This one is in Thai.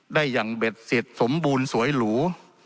ได้อย่างเบ็ดเสร็จสมบูรณ์สวยหรู